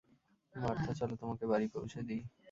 Martha, চলো তোমাকে বাড়ি পৌঁছে দিই।